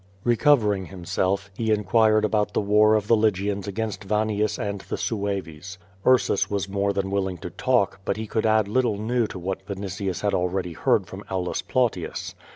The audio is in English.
Recovering himself, he inquired about the war of the Ly gians against Vannius end the Sueves. Ursus was more than willing to talk, but he could add little new to what Vinitius had already heard from Aulus Plautius.